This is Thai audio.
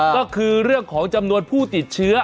ก็คือเรื่องของจำนวนผู้ติดเชื้อ